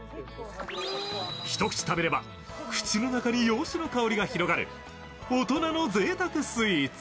一口食べれば口の中に洋酒の香りが広がる大人のぜいたくスイーツ。